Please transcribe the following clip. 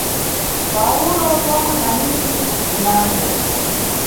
Pawulo pomwe na miti minango.